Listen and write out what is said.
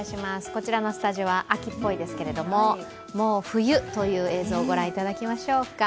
こちらのスタジオは秋っぽいですけれどももう冬という映像をご覧いただきましょうか。